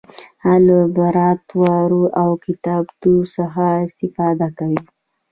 هغه له لابراتوار او کتابتون څخه استفاده کوي.